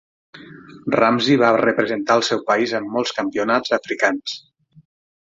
Ramzi va representar al seu país en molts campionats africans.